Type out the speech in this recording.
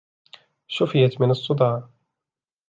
شفيت من الصداع